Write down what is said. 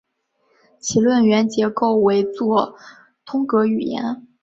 其论元结构为作通格语言。